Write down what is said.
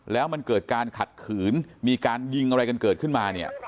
แล้วมันเกิดการขัดขืนมีการยิงอะไรกันเกิดขึ้นมาเนี่ย